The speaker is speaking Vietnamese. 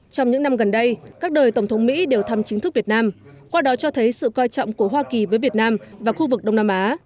trong những năm gần đây các đời tổng thống mỹ đều thăm chính thức việt nam qua đó cho thấy sự coi trọng của hoa kỳ với việt nam và khu vực đông nam á